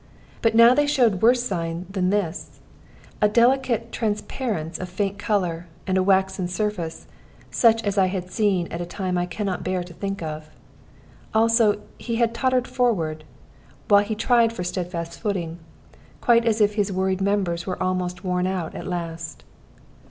But now they showed worse sign than this a delicate transparence of faint color, and a waxen surface, such as I had seen at a time I can not bear to think of. Also he had tottered forward, while he tried for steadfast footing, quite as if his worried members were almost worn out at last.